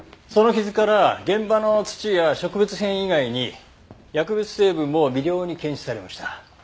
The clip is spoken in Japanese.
その傷から現場の土や植物片以外に薬物成分も微量に検出されました。